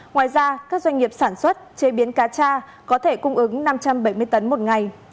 ngoài ra các doanh nghiệp sản xuất chế biến cá cha có thể cung ứng năm trăm bảy mươi tấn một ngày